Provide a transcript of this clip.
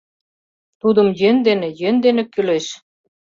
Тудым йӧн дене, йӧн дене кӱлеш...